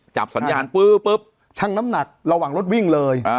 จับสัญญาณปื้อปุ๊บช่างน้ำหนักระหว่างรถวิ่งเลย